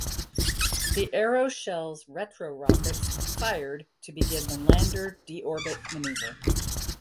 The aeroshell's retrorockets fired to begin the lander de-orbit maneuver.